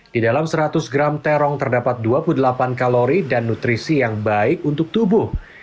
di dalam seratus gram terong terdapat dua puluh delapan kalori dan nutrisi yang baik untuk tubuh